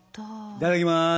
いただきます。